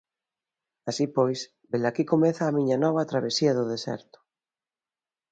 Así pois, velaquí comeza a miña nova travesía do deserto.